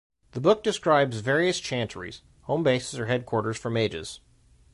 The book describes various Chantries (home bases or headquarters for mages).